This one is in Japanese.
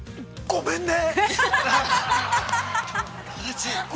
◆ごめんね。